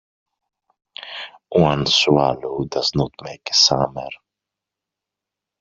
One swallow does not make a summer